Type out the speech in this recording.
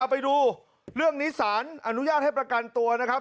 ไปดูเรื่องนี้สารอนุญาตให้ประกันตัวนะครับ